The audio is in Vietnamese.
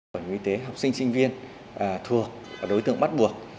bảo hiểm y tế học sinh sinh viên thuộc đối tượng bắt buộc